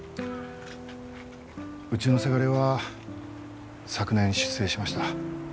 うちのせがれは昨年出征しました。